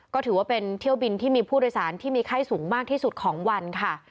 ก็ถือว่าเป็นเที่ยวบินที่มีผู้โดยสารที่มีไข้สูงมากที่สุดของวันค่ะ